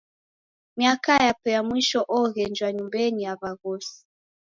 Miaka yape ya mwisho oghenjwa nyumba ya w'aghosi.